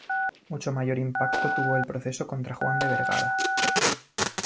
Mucho mayor impacto tuvo el proceso contra Juan de Vergara.